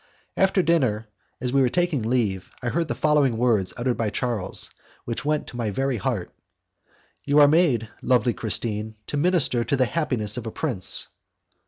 After dinner, and as we were taking leave, I heard the following words uttered by Charles, which went to my very heart: "You are made, lovely Christine, to minister to the happiness of a prince."